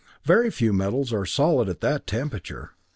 Very few metals are solid at that temperature.